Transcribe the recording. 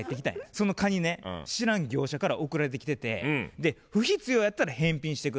そのカニね知らん業者から送られてきてて「不必要やったら返品して下さい」と。